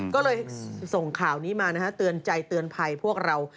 ก็เลยส่งข่าวนี้มานะฮะเตือนใจเตือนภัยพวกเรา